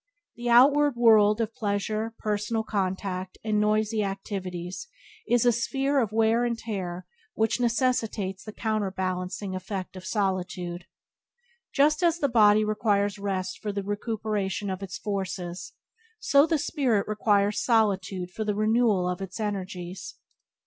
The outward world of pleasure, personal contact, and noisy activities is a sphere of wear and tear which necessitates the counterbalancing effect of solitude. Just as the body requires rest for the recuperation of its forces, so the spirit requires solitude for the renewal of its energies.